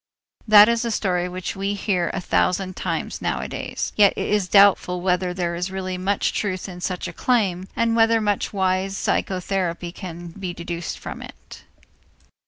That is a story which we hear a thousand times nowadays. Yet it is doubtful whether there is really much truth in such a claim and whether much wise psychotherapy can be deduced from it.